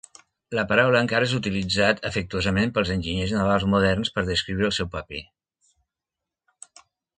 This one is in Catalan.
La paraula encara és utilitzat afectuosament pels enginyers navals moderns per descriure el seu paper.